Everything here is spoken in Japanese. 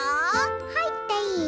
「はいっていい？」。